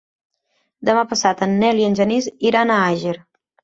Demà passat en Nel i en Genís iran a Àger.